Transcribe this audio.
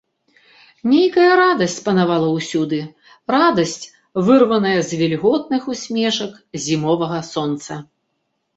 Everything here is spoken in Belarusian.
Нейкая радасць панавала ўсюды, радасць, вырваная з вільготных усмешак зімовага сонца.